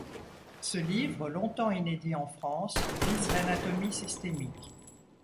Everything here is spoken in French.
Ce livre, longtemps inédit en France, vise l'anatomie systémique.